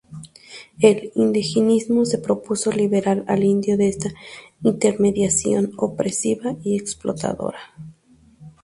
El indigenismo se propuso liberar al indio de esa intermediación opresiva y explotadora.